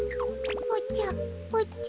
おちゃおちゃ。